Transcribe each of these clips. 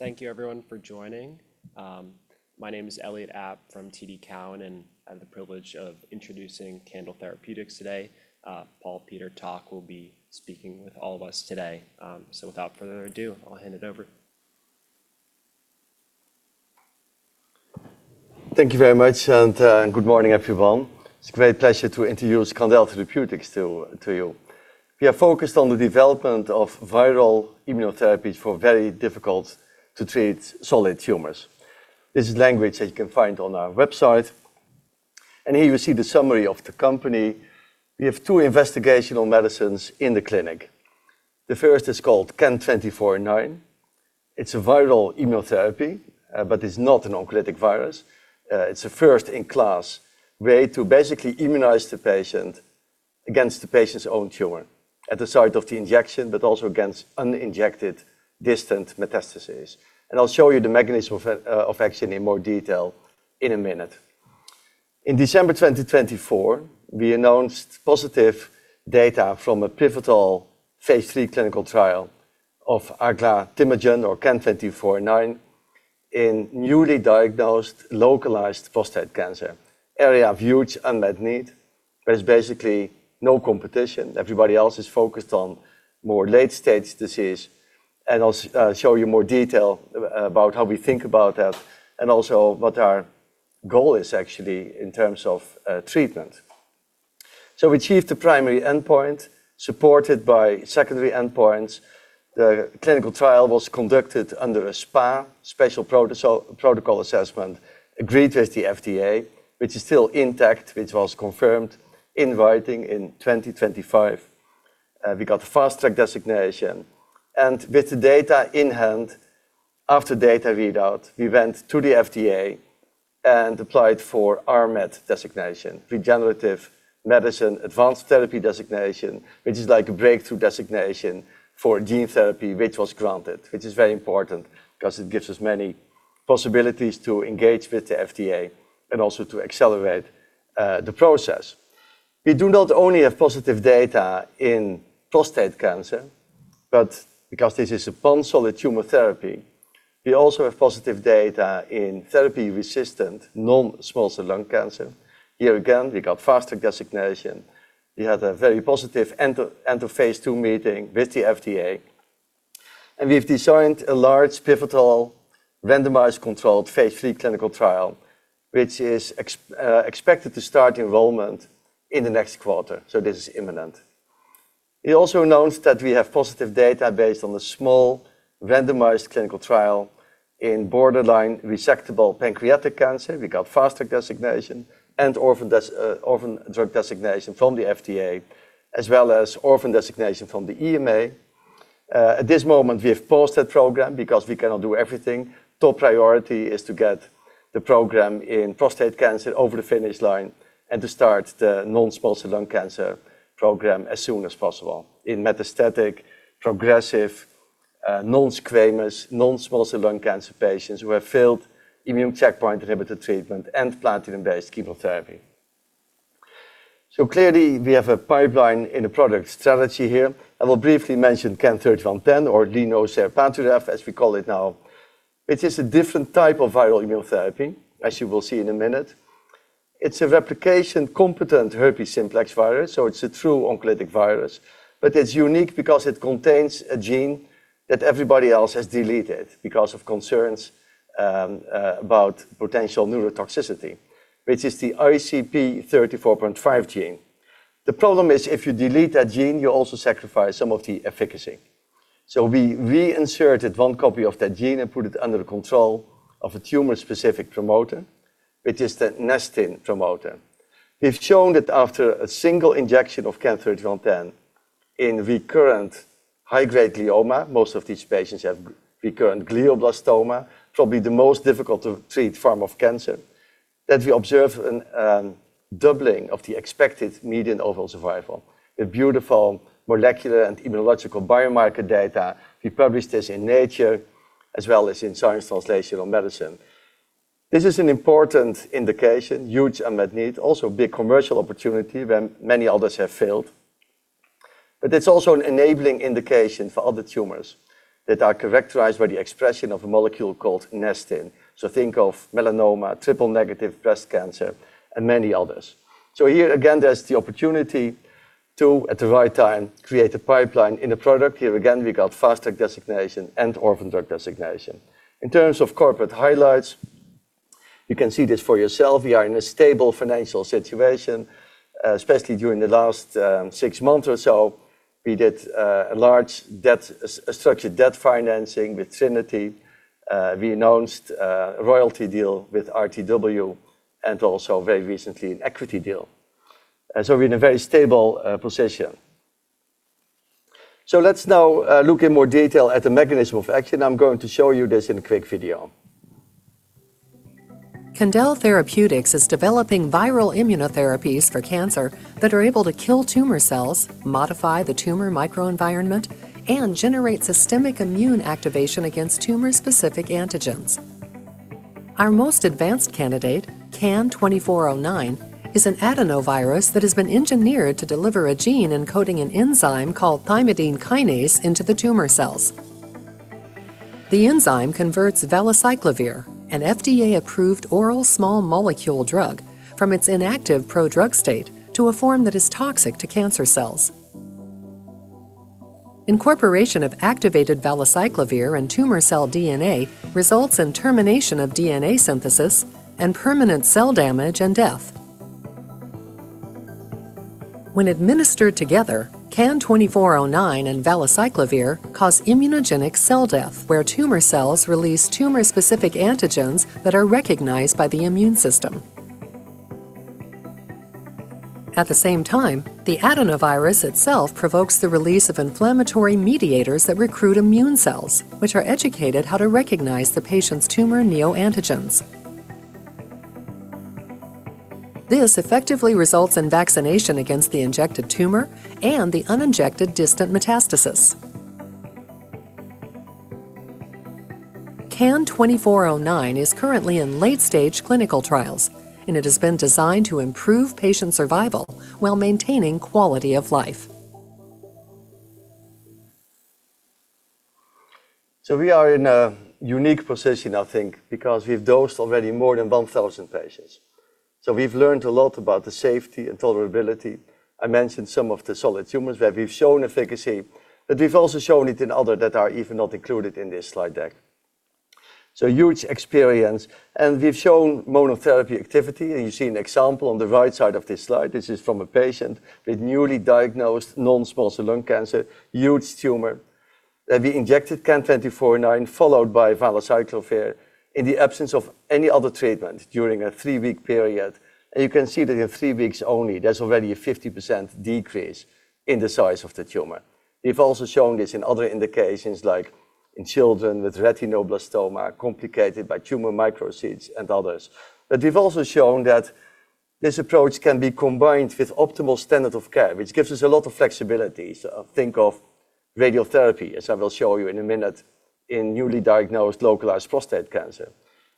All right. Thank you everyone for joining. My name is Elliot Alper from TD Cowen, I have the privilege of introducing Candel Therapeutics today. Paul Peter Tak will be speaking with all of us today. Without further ado, I'll hand it over. Thank you very much and good morning, everyone. It's a great pleasure to introduce Candel Therapeutics to you. We are focused on the development of viral immunotherapies for very difficult to treat solid tumors. This is language that you can find on our website, and here you see the summary of the company. We have two investigational medicines in the clinic. The first is called CAN-2409. It's a viral immunotherapy, but it's not an oncolytic virus. It's a first-in-class way to basically immunize the patient against the patient's own tumor at the site of the injection, but also against uninjected distant metastases. I'll show you the mechanism of action in more detail in a minute. In December 2024, we announced positive data from a pivotal phase III clinical trial of aglatimagene besadenovec, or CAN-2409, in newly diagnosed localized prostate cancer, area of huge unmet need. There's basically no competition. Everybody else is focused on more late-stage disease, and I'll show you more detail about how we think about that and also what our goal is actually in terms of treatment. We achieved the primary endpoint supported by secondary endpoints. The clinical trial was conducted under a SPA, Special Protocol Assessment, agreed with the FDA, which is still intact, which was confirmed in writing in 2025. We got Fast Track designation. With the data in hand, after data readout, we went to the FDA and applied for RMAT designation, Regenerative Medicine Advanced Therapy designation, which is like a breakthrough designation for gene therapy, which was granted, which is very important because it gives us many possibilities to engage with the FDA and also to accelerate the process. We do not only have positive data in prostate cancer, but because this is a pan-solid tumor therapy, we also have positive data in therapy-resistant non-small cell lung cancer. Here again, we got Fast Track designation. We had a very positive end of phase II meeting with the FDA. We've designed a large pivotal randomized controlled phase III clinical trial, which is expected to start enrollment in the next quarter. This is imminent. We also announced that we have positive data based on the small randomized clinical trial in borderline resectable pancreatic cancer. We got Fast Track designation and Orphan Drug designation from the FDA as well as Orphan designation from the EMA. At this moment, we have paused that program because we cannot do everything. Top priority is to get the program in prostate cancer over the finish line and to start the non-small cell lung cancer program as soon as possible in metastatic progressive, non-squamous, non-small cell lung cancer patients who have failed immune checkpoint inhibitor treatment and platinum-based chemotherapy. Clearly we have a pipeline in the product strategy here. I will briefly mention CAN-3110, or glinosertib, as we call it now, which is a different type of viral immunotherapy, as you will see in a minute. It's a replication-competent herpes simplex virus, so it's a true oncolytic virus. It's unique because it contains a gene that everybody else has deleted because of concerns about potential neurotoxicity, which is the ICP34.5 gene. The problem is if you delete that gene, you also sacrifice some of the efficacy. We reinserted 1 copy of that gene and put it under the control of a tumor-specific promoter, which is the nestin promoter. We've shown that after a single injection of CAN-3110 in recurrent high-grade glioma, most of these patients have recurrent glioblastoma, probably the most difficult to treat form of cancer, that we observe a doubling of the expected median overall survival with beautiful molecular and immunological biomarker data. We published this in Nature as well as in Science Translational Medicine. This is an important indication, huge unmet need, also big commercial opportunity where many others have failed. It's also an enabling indication for other tumors that are characterized by the expression of a molecule called nestin. Think of melanoma, triple-negative breast cancer, and many others. Here again, there's the opportunity to, at the right time, create a pipeline in a product. Here again, we got Fast Track designation and Orphan Drug designation. In terms of corporate highlights, you can see this for yourself. We are in a stable financial situation, especially during the last six months or so. We did a large debt, a structured debt financing with Trinity. We announced a royalty deal with RTW and also very recently an equity deal. We're in a very stable position. Let's now look in more detail at the mechanism of action. I'm going to show you this in a quick video. Candel Therapeutics is developing viral immunotherapies for cancer that are able to kill tumor cells, modify the tumor microenvironment, and generate systemic immune activation against tumor-specific antigens. Our most advanced candidate, CAN-2409, is an adenovirus that has been engineered to deliver a gene encoding an enzyme called thymidine kinase into the tumor cells. The enzyme converts valacyclovir, an FDA-approved oral small molecule drug, from its inactive prodrug state to a form that is toxic to cancer cells. Incorporation of activated valacyclovir in tumor cell DNA results in termination of DNA synthesis and permanent cell damage and death. When administered together, CAN-2409 and valacyclovir cause immunogenic cell death where tumor cells release tumor-specific antigens that are recognized by the immune system. At the same time, the adenovirus itself provokes the release of inflammatory mediators that recruit immune cells, which are educated how to recognize the patient's tumor neoantigens. This effectively results in vaccination against the injected tumor and the uninjected distant metastasis. CAN-2409 is currently in late-stage clinical trials, and it has been designed to improve patient survival while maintaining quality of life. We are in a unique position, I think, because we've dosed already more than 1,000 patients. We've learned a lot about the safety and tolerability. I mentioned some of the solid tumors where we've shown efficacy, but we've also shown it in other that are even not included in this slide deck. Huge experience. We've shown monotherapy activity. You see an example on the right side of this slide. This is from a patient with newly diagnosed non-small cell lung cancer, huge tumor. We injected CAN-2409 followed by valacyclovir in the absence of any other treatment during a three-week period. You can see that in three weeks only, there's already a 50% decrease in the size of the tumor. We've also shown this in other indications like in children with retinoblastoma complicated by tumor microseeds and others. We've also shown that this approach can be combined with optimal standard of care, which gives us a lot of flexibility. Think of radiotherapy, as I will show you in a minute, in newly diagnosed localized prostate cancer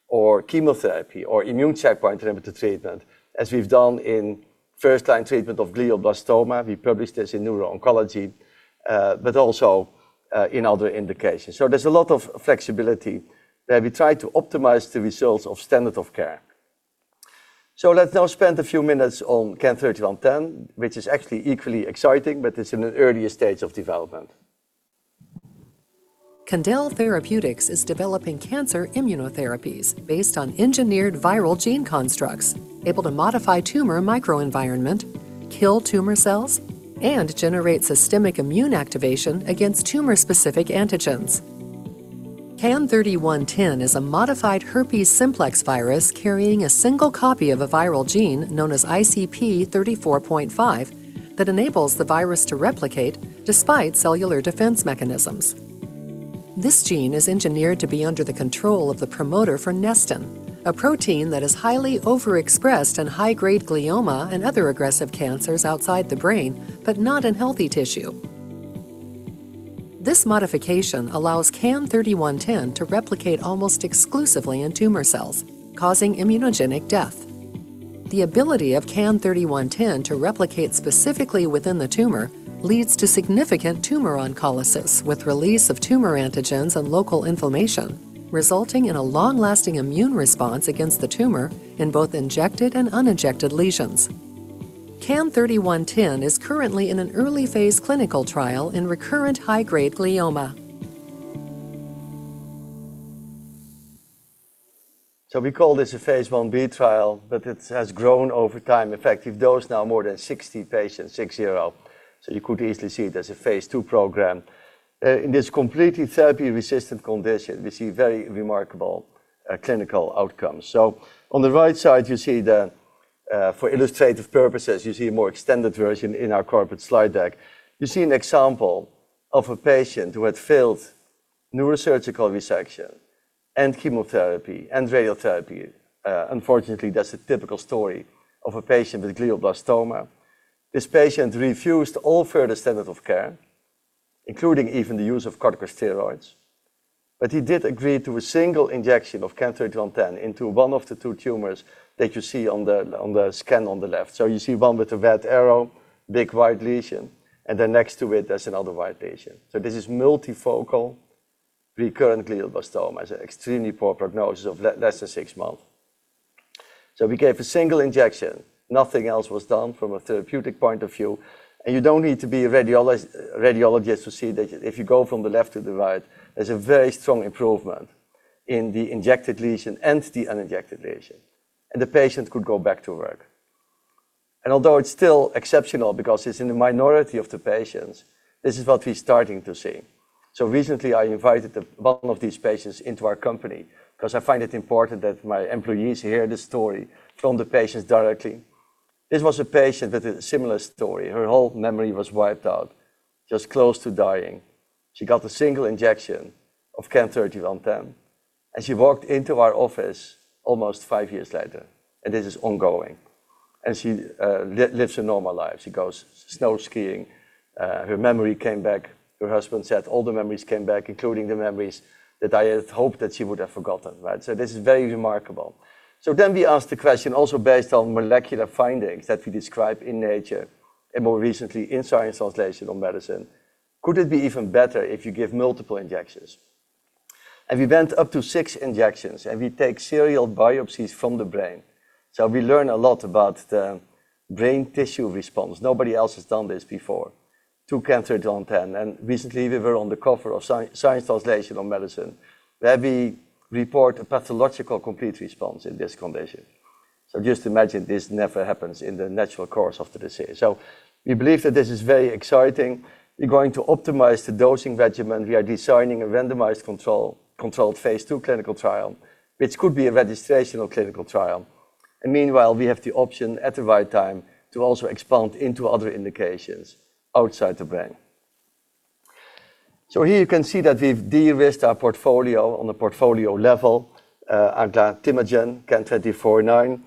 or chemotherapy or immune checkpoint inhibitor treatment, as we've done in first-line treatment of glioblastoma. We published this in Neuro-Oncology, but also in other indications. There's a lot of flexibility where we try to optimize the results of standard of care. Let's now spend a few minutes on CAN-3110, which is actually equally exciting, but it's in an earlier stage of development. Candel Therapeutics is developing cancer immunotherapies based on engineered viral gene constructs able to modify tumor microenvironment, kill tumor cells, and generate systemic immune activation against tumor-specific antigens. CAN-3110 is a modified herpes simplex virus carrying a single copy of a viral gene known as ICP34.5 that enables the virus to replicate despite cellular defense mechanisms. This gene is engineered to be under the control of the promoter for nestin, a protein that is highly overexpressed in high-grade glioma and other aggressive cancers outside the brain, but not in healthy tissue. This modification allows CAN-3110 to replicate almost exclusively in tumor cells, causing immunogenic death. The ability of CAN-3110 to replicate specifically within the tumor leads to significant tumor oncolysis with release of tumor antigens and local inflammation, resulting in a long-lasting immune response against the tumor in both injected and uninjected lesions. CAN-3110 is currently in an early-phase clinical trial in recurrent high-grade glioma. We call this a phase I-b trial, but it has grown over time. In fact, we've dosed now more than 60 patients. You could easily see it as a phase II program. In this completely therapy-resistant condition, we see very remarkable clinical outcomes. On the right side, you see for illustrative purposes, you see a more extended version in our corporate slide deck. You see an example of a patient who had failed neurosurgical resection and chemotherapy and radiotherapy. Unfortunately, that's a typical story of a patient with glioblastoma. This patient refused all further standard of care, including even the use of corticosteroids. He did agree to a single injection of CAN-3110 into one of the two tumors that you see on the scan on the left. You see one with a red arrow, big white lesion, and then next to it, there's another white lesion. This is multifocal recurrent glioblastoma, extremely poor prognosis of less than 6 months. We gave a single injection. Nothing else was done from a therapeutic point of view. You don't need to be a radiologist to see that if you go from the left to the right, there's a very strong improvement in the injected lesion and the uninjected lesion. The patient could go back to work. Although it's still exceptional because it's in the minority of the patients, this is what we're starting to see. Recently, I invited one of these patients into our company because I find it important that my employees hear the story from the patients directly. This was a patient with a similar story. Her whole memory was wiped out, just close to dying. She got a single injection of CAN-3110, she walked into our office almost five years later. This is ongoing. She lives a normal life. She goes snow skiing. Her memory came back. Her husband said all the memories came back, including the memories that I had hoped that she would have forgotten, right? This is very remarkable. We asked the question also based on molecular findings that we describe in Nature, and more recently in Science Translational Medicine, could it be even better if you give multiple injections? We went up to six injections, and we take serial biopsies from the brain. We learn a lot about the brain tissue response. Nobody else has done this before. Two CAN-3110, recently we were on the cover of Science Translational Medicine, where we report a pathological complete response in this condition. Just imagine this never happens in the natural course of the disease. We believe that this is very exciting. We're going to optimize the dosing regimen. We are designing a randomized controlled phase II clinical trial, which could be a registrational clinical trial. Meanwhile, we have the option at the right time to also expand into other indications outside the brain. Here you can see that we've de-risked our portfolio on the portfolio level, our Timogen, CAN-2409.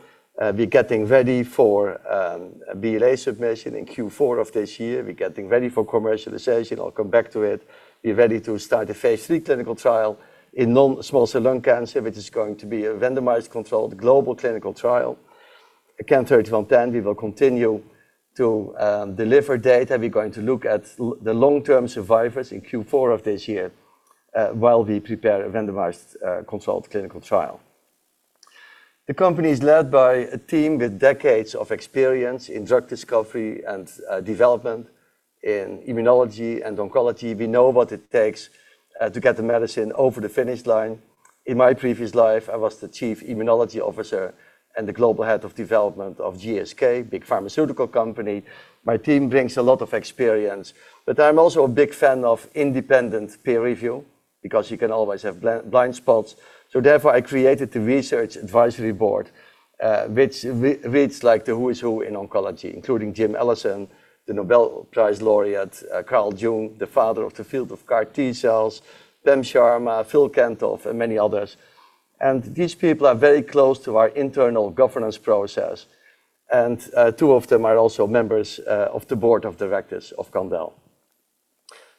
We're getting ready for a BLA submission in Q4 of this year. We're getting ready for commercialization. I'll come back to it. We're ready to start a phase III clinical trial in non-small cell lung cancer, which is going to be a randomized controlled global clinical trial. CAN-3110, we will continue to deliver data. We're going to look at the long-term survivors in Q4 of this year, while we prepare a randomized controlled clinical trial. The company is led by a team with decades of experience in drug discovery and development in immunology and oncology. We know what it takes to get the medicine over the finish line. In my previous life, I was the Chief Immunology Officer and the Global Head of Development of GSK, big pharmaceutical company. My team brings a lot of experience, but I'm also a big fan of independent peer review because you can always have blind spots. Therefore, I created the Research Advisory Board, which reads like the who is who in oncology, including Jim Allison, the Nobel Prize laureate, Carl June, the father of the field of CAR T-cells, Pem Sharma, Phil Kantoff, and many others. These people are very close to our internal governance process, and, two of them are also members of the board of directors of Candel.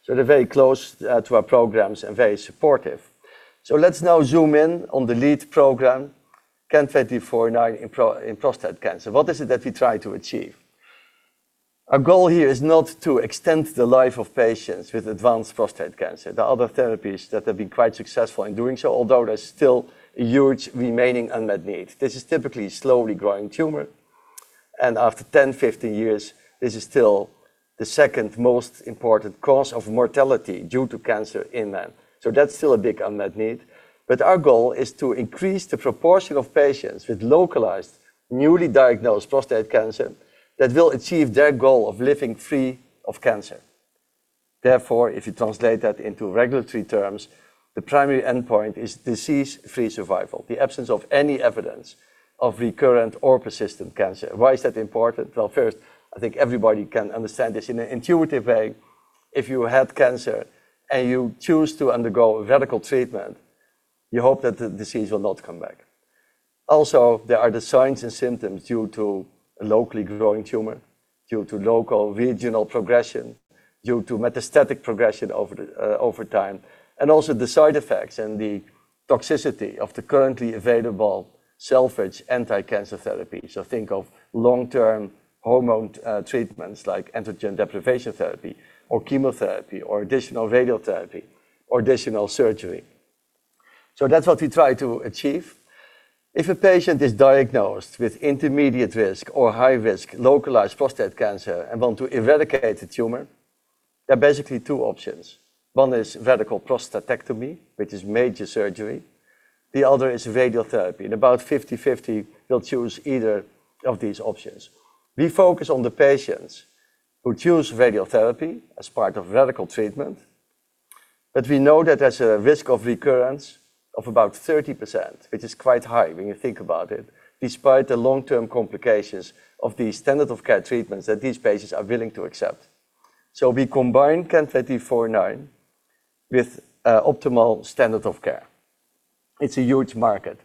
They're very close to our programs and very supportive. Let's now zoom in on the lead program, CAN-2409 in prostate cancer. What is it that we try to achieve? Our goal here is not to extend the life of patients with advanced prostate cancer. There are other therapies that have been quite successful in doing so, although there's still a huge remaining unmet need. This is typically a slowly growing tumor, after 10, 15 years, this is still the second most important cause of mortality due to cancer in men. That's still a big unmet need. Our goal is to increase the proportion of patients with localized, newly diagnosed prostate cancer that will achieve their goal of living free of cancer. Therefore, if you translate that into regulatory terms, the primary endpoint is disease-free survival, the absence of any evidence of recurrent or persistent cancer. Why is that important? Well, first, I think everybody can understand this in an intuitive way. If you had cancer and you choose to undergo radical treatment, you hope that the disease will not come back. There are the signs and symptoms due to a locally growing tumor, due to local regional progression, due to metastatic progression over time, and also the side effects and the toxicity of the currently available salvage anti-cancer therapy. Think of long-term hormone treatments like androgen deprivation therapy, or chemotherapy, or additional radiotherapy, or additional surgery. That's what we try to achieve. If a patient is diagnosed with intermediate risk or high risk localized prostate cancer and want to eradicate the tumor, there are basically two options. One is radical prostatectomy, which is major surgery. The other is radiotherapy. In about 50/50, you'll choose either of these options. We focus on the patients who choose radiotherapy as part of radical treatment, but we know that there's a risk of recurrence of about 30%, which is quite high when you think about it, despite the long-term complications of the standard of care treatments that these patients are willing to accept. We combine CAN-2409 with optimal standard of care. It's a huge market.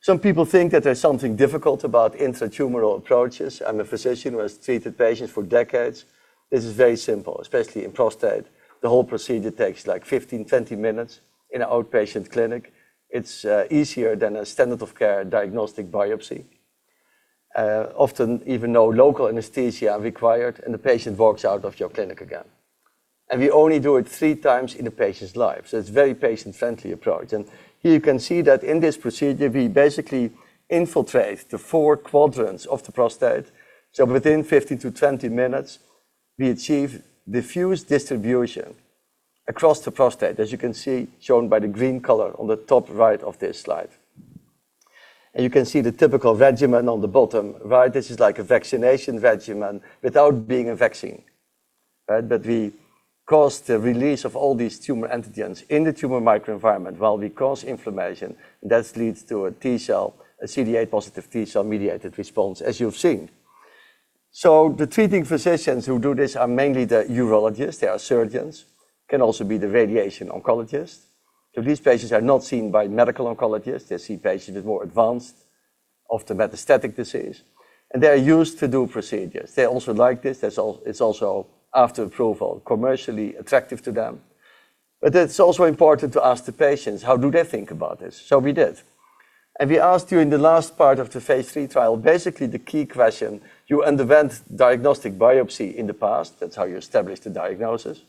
Some people think that there's something difficult about intratumoral approaches. I'm a physician who has treated patients for decades. This is very simple, especially in prostate. The whole procedure takes like 15, 20 minutes in an outpatient clinic. It's easier than a standard of care diagnostic biopsy. Often even no local anesthesia are required, and the patient walks out of your clinic again. We only do it 3 times in a patient's life, so it's very patient-friendly approach. Here you can see that in this procedure, we basically infiltrate the four quadrants of the prostate. Within 15-20 minutes, we achieve diffuse distribution across the prostate, as you can see shown by the green color on the top right of this slide. You can see the typical regimen on the bottom right. This is like a vaccination regimen without being a vaccine, right? We cause the release of all these tumor antigens in the tumor microenvironment while we cause inflammation, and that leads to a T-cell, a CD8-positive T-cell-mediated response, as you've seen. The treating physicians who do this are mainly the urologists. They are surgeons. Can also be the radiation oncologist. These patients are not seen by medical oncologists. They see patients with more advanced, often metastatic disease, and they are used to do procedures. They also like this. It's also, after approval, commercially attractive to them. It's also important to ask the patients, how do they think about this? We did. We asked you in the last part of the phase III trial, basically the key question, you underwent diagnostic biopsy in the past. That's how you established the diagnosis.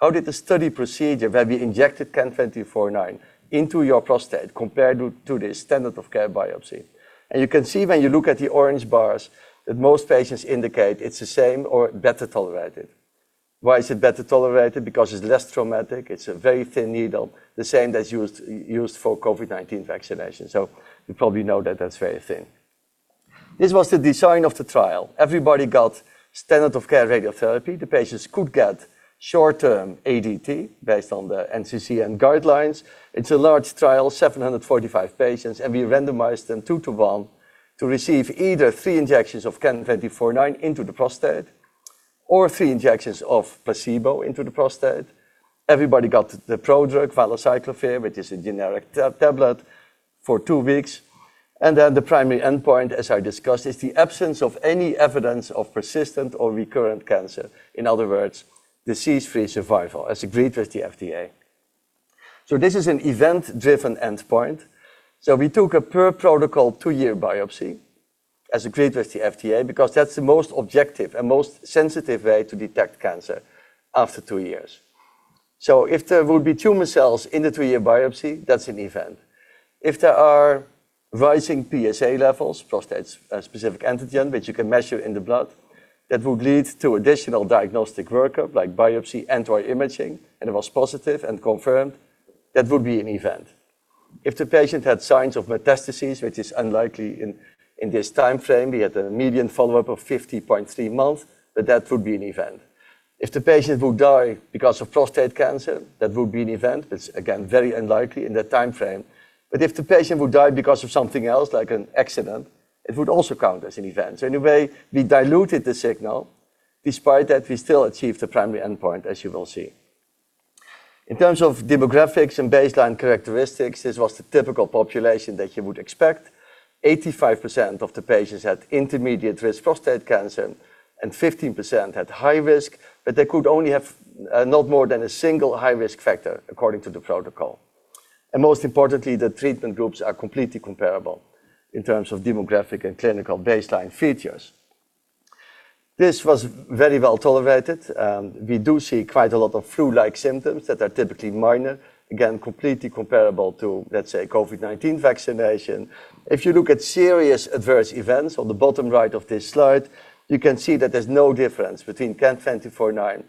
How did the study procedure, where we injected CAN-2409 into your prostate compare to the standard of care biopsy? You can see when you look at the orange bars that most patients indicate it's the same or better tolerated. Why is it better tolerated? Because it's less traumatic. It's a very thin needle, the same that's used for COVID-19 vaccination. You probably know that that's very thin. This was the design of the trial. Everybody got standard of care radiotherapy. The patients could get short-term ADT based on the NCCN guidelines. It's a large trial, 745 patients, we randomized them 2 to 1 to receive either three injections of CAN-2409 into the prostate or three injections of placebo into the prostate. Everybody got the prodrug, valacyclovir, which is a generic tablet, for two weeks. The primary endpoint, as I discussed, is the absence of any evidence of persistent or recurrent cancer. In other words, disease-free survival, as agreed with the FDA. This is an event-driven endpoint. We took a per protocol two-year biopsy, as agreed with the FDA, because that's the most objective and most sensitive way to detect cancer after two years. If there would be tumor cells in the two-year biopsy, that's an event. If there are rising PSA levels, prostate-specific antigen, which you can measure in the blood, that would lead to additional diagnostic work-up like biopsy and/or imaging, and it was positive and confirmed, that would be an event. If the patient had signs of metastasis, which is unlikely in this timeframe, we had a median follow-up of 50.3 months, that would be an event. If the patient would die because of prostate cancer, that would be an event. It's again, very unlikely in that timeframe. If the patient would die because of something else, like an accident, it would also count as an event. In a way, we diluted the signal. Despite that, we still achieved the primary endpoint, as you will see. In terms of demographics and baseline characteristics, this was the typical population that you would expect. 85% of the patients had intermediate risk prostate cancer, and 15% had high risk, but they could only have not more than a single high risk factor according to the protocol. Most importantly, the treatment groups are completely comparable in terms of demographic and clinical baseline features. This was very well tolerated. We do see quite a lot of flu-like symptoms that are typically minor. Again, completely comparable to, let's say, COVID-19 vaccination. If you look at serious adverse events on the bottom right of this slide, you can see that there's no difference between CAN-2409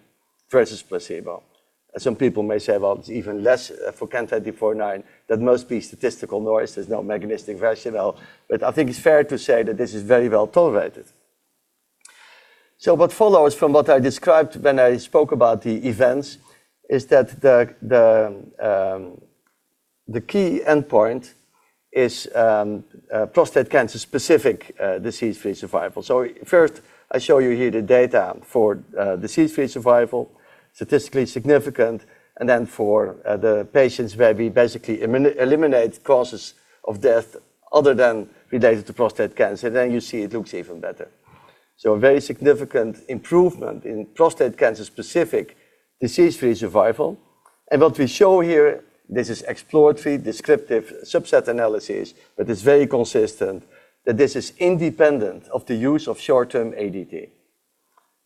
versus placebo. Some people may say, "Well, it's even less for CAN-2409." That must be statistical noise. There's no mechanistic rationale. I think it's fair to say that this is very well tolerated. What follows from what I described when I spoke about the events is that the key endpoint is prostate cancer-specific disease-free survival. First, I show you here the data for disease-free survival, statistically significant, and then for the patients where we basically eliminate causes of death other than related to prostate cancer, then you see it looks even better. A very significant improvement in prostate cancer-specific disease-free survival. What we show here, this is exploratory descriptive subset analysis, but it's very consistent that this is independent of the use of short-term ADT.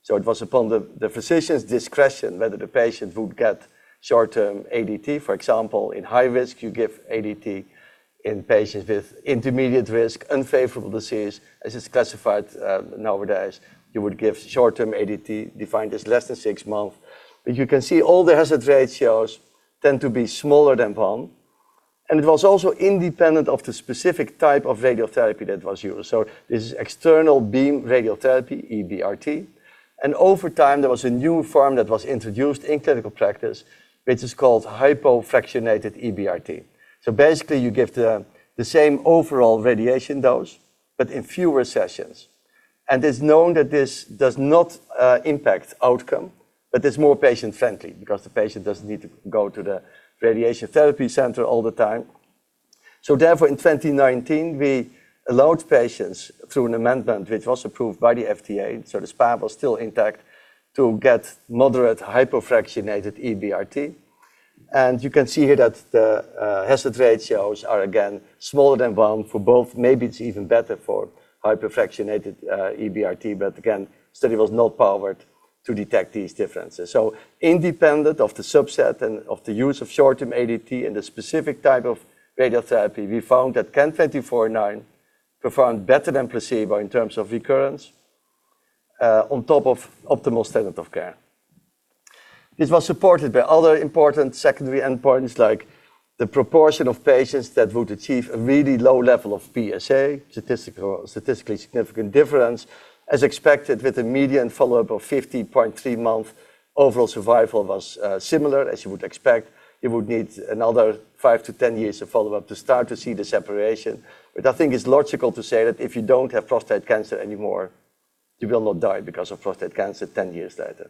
It was upon the physician's discretion whether the patient would get short-term ADT. For example, in high risk, you give ADT. In patients with intermediate risk, unfavorable disease, as it's classified nowadays, you would give short-term ADT, defined as less than 6 months. You can see all the hazard ratios tend to be smaller than one, and it was also independent of the specific type of radiotherapy that was used. This is external beam radiotherapy, EBRT. Over time, there was a new form that was introduced in clinical practice, which is called hypofractionated EBRT. Basically, you give the same overall radiation dose but in fewer sessions. It's known that this does not impact outcome, but it's more patient-friendly because the patient doesn't need to go to the radiation therapy center all the time. Therefore, in 2019, we allowed patients through an amendment, which was approved by the FDA, so the SPA was still intact, to get moderate hypofractionated EBRT. You can see here that the hazard ratios are again smaller than one for both. Maybe it's even better for hypofractionated EBRT, again, study was not powered to detect these differences. Independent of the subset and of the use of short-term ADT and the specific type of radiotherapy, we found that CAN-2409 performed better than placebo in terms of recurrence on top of optimal standard of care. This was supported by other important secondary endpoints like the proportion of patients that would achieve a really low level of PSA, statistically significant difference. As expected, with a median follow-up of 50.3 months, overall survival was similar as you would expect. It would need another 5-10 years of follow-up to start to see the separation. I think it's logical to say that if you don't have prostate cancer anymore. You will not die because of prostate cancer 10 years later.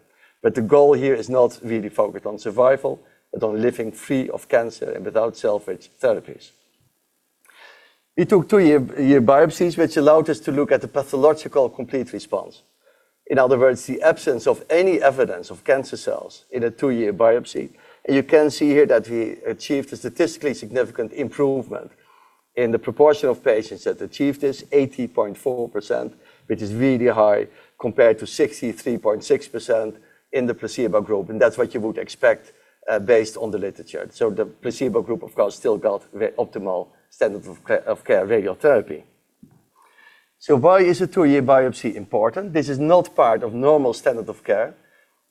The goal here is not really focused on survival, but on living free of cancer and without salvage therapies. We took two-year biopsies, which allowed us to look at the pathological complete response. In other words, the absence of any evidence of cancer cells in a two-year biopsy. You can see here that we achieved a statistically significant improvement in the proportion of patients that achieved this 80.4%, which is really high compared to 63.6% in the placebo group, and that's what you would expect based on the literature. The placebo group, of course, still got the optimal standard of care radiotherapy. Why is a two-year biopsy important? This is not part of normal standard of care.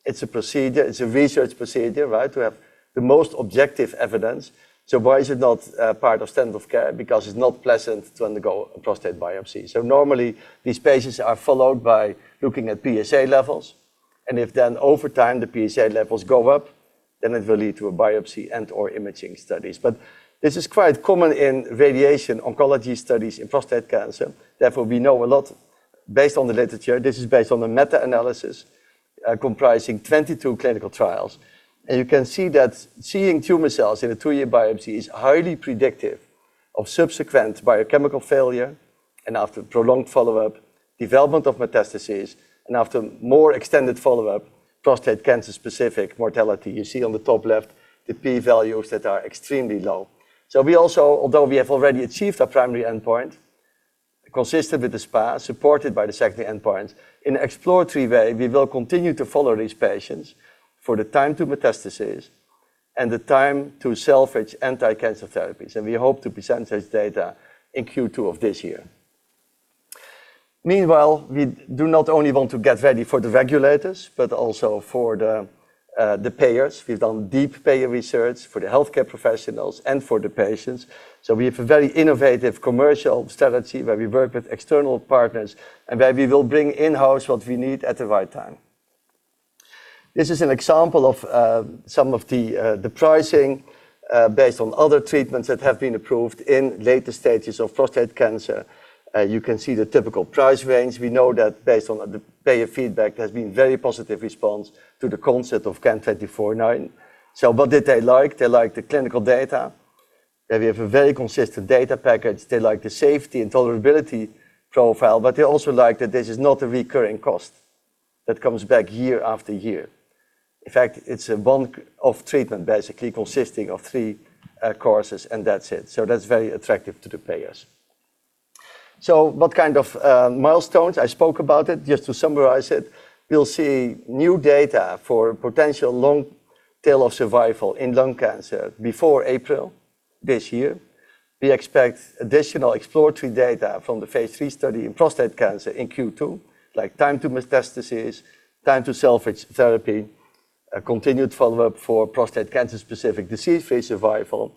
It's a procedure. It's a research procedure, right? To have the most objective evidence. Why is it not part of standard of care? Because it's not pleasant to undergo a prostate biopsy. Normally these patients are followed by looking at PSA levels, and if then over time, the PSA levels go up, then it will lead to a biopsy and/or imaging studies. This is quite common in radiation oncology studies in prostate cancer. Therefore, we know a lot based on the literature. This is based on a meta-analysis comprising 22 clinical trials. You can see that seeing tumor cells in a two-year biopsy is highly predictive of subsequent biochemical failure and after prolonged follow-up, development of metastases, and after more extended follow-up, prostate cancer-specific mortality. You see on the top left the P values that are extremely low. We also, although we have already achieved our primary endpoint, consistent with the SPA, supported by the secondary endpoints, in exploratory way, we will continue to follow these patients for the time to metastasis and the time to salvage anti-cancer therapies, and we hope to present this data in Q2 of this year. Meanwhile, we do not only want to get ready for the regulators, but also for the payers. We've done deep payer research for the healthcare professionals and for the patients. We have a very innovative commercial strategy where we work with external partners and where we will bring in-house what we need at the right time. This is an example of some of the pricing based on other treatments that have been approved in later stages of prostate cancer. You can see the typical price range. We know that based on the payer feedback, there's been very positive response to the concept of CAN-2409. What did they like? They like the clinical data. They have a very consistent data package. They like the safety and tolerability profile, but they also like that this is not a recurring cost that comes back year after year. In fact, it's a bunk of treatment, basically consisting of three courses, and that's it. That's very attractive to the payers. What kind of milestones? I spoke about it. Just to summarize it, we'll see new data for potential long tail of survival in lung cancer before April this year. We expect additional exploratory data from the phase III study in prostate cancer in Q2, like time to metastasis, time to salvage therapy, a continued follow-up for prostate cancer-specific disease-free survival.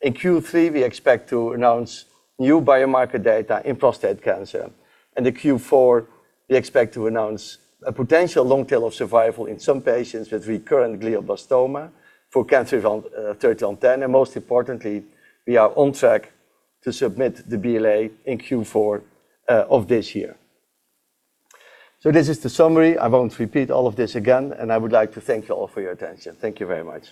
In Q3, we expect to announce new biomarker data in prostate cancer. In Q4, we expect to announce a potential long tail of survival in some patients with recurrent glioblastoma for CAN-3110. Most importantly, we are on track to submit the BLA in Q4 of this year. This is the summary. I won't repeat all of this again, and I would like to thank you all for your attention. Thank you very much.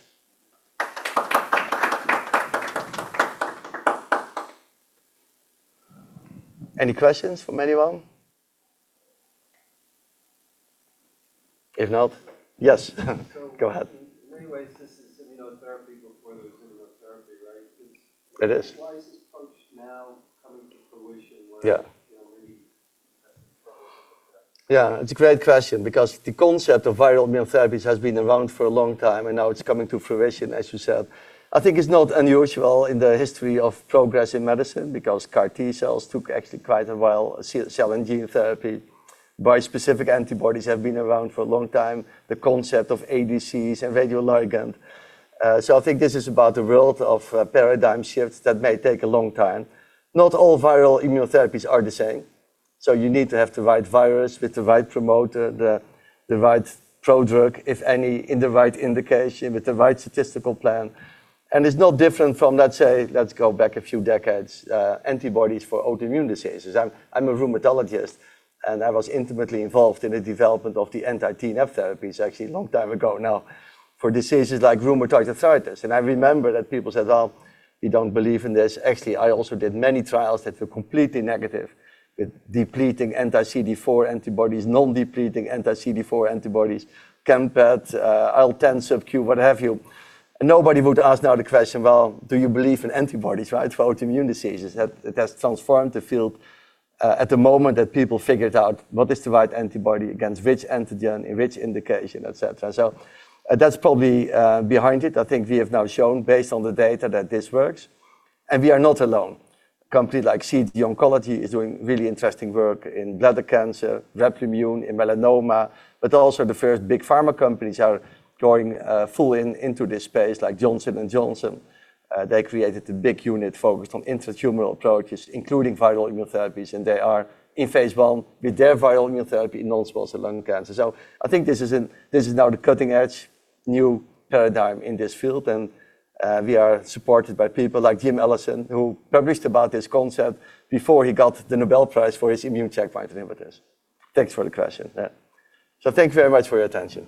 Any questions from anyone? If not. Yes, go ahead. In many ways, this is immunotherapy before there was immunotherapy, right? It is. Why is this approach now coming to fruition? Yeah. where, you know, many have struggled with that? Yeah. It's a great question because the concept of viral immunotherapies has been around for a long time, and now it's coming to fruition, as you said. I think it's not unusual in the history of progress in medicine because CAR T-cells took actually quite a while. C-cell and gene therapy, bispecific antibodies have been around for a long time, the concept of ADCs and radioligand. I think this is about the world of paradigm shifts that may take a long time. Not all viral immunotherapies are the same, so you need to have the right virus with the right promoter, the right prodrug, if any, in the right indication with the right statistical plan. It's no different from, let's say, let's go back a few decades, antibodies for autoimmune diseases. I'm a rheumatologist, and I was intimately involved in the development of the anti-TNF therapies actually a long time ago now for diseases like rheumatoid arthritis. I remember that people said, "Well, we don't believe in this." Actually, I also did many trials that were completely negative with depleting anti-CD4 antibodies, non-depleting anti-CD4 antibodies, Campath, IL-10 subQ, what have you. Nobody would ask now the question, well, do you believe in antibodies, right, for autoimmune diseases? It has transformed the field at the moment that people figured out what is the right antibody against which antigen in which indication, et cetera. That's probably behind it. I think we have now shown, based on the data, that this works. We are not alone. A company like CG Oncology is doing really interesting work in bladder cancer, Replimune in melanoma. Also the first big pharma companies are going full in into this space, like Johnson & Johnson. They created a big unit focused on intratumoral approaches, including viral immunotherapies. They are in phase 1 with their viral immunotherapy in non-small cell lung cancer. I think this is now the cutting-edge new paradigm in this field. We are supported by people like Jim Allison, who published about this concept before he got the Nobel Prize for his immune checkpoint inhibitors. Thanks for the question. Yeah. Thank you very much for your attention.